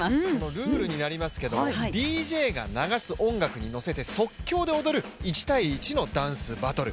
ルールになりますけど、ＤＪが流す音楽に乗せて即興で踊る１対１のダンスバトル。